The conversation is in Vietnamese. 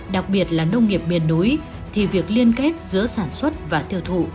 đặc biệt là nông nghiệp miền núi thì việc liên kết giữa sản xuất và tiêu thụ